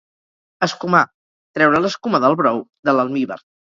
escumar: treure l'escuma del brou, de l'almívar